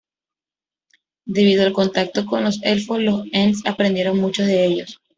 Debido al contacto con los elfos, los Ents aprendieron mucho de ellos.